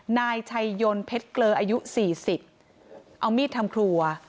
นายชัยยนต์เพชรเกลืออายุ๔๐เอามีดทำครัว